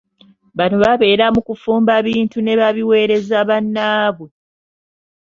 Bano babera mu kufumba bintu ne babiweereza bannabwe.